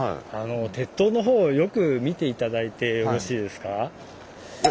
鉄塔の方をよく見て頂いてよろしいですか。